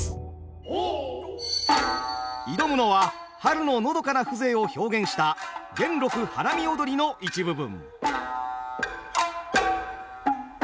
挑むのは春ののどかな風情を表現した「元禄花見踊」の一部分。